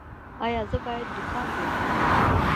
ایا زه باید دوکان جوړ کړم؟